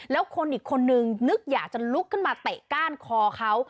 แล้วคนอีกคนนึงนึกอยากจะลุกขึ้นมาเตะก้านคอเขา